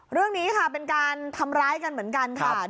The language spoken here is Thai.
เรื่องนี้ค่ะเป็นการทำร้ายกันเหมือนกันค่ะ